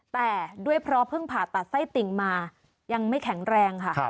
แต่ด้วยเพราะเพิ่งผ่าตัดไส้ติ่งมายังไม่แข็งแรงค่ะ